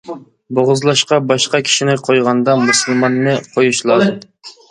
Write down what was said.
بوغۇزلاشقا باشقا كىشىنى قويغاندا مۇسۇلماننى قويۇش لازىم.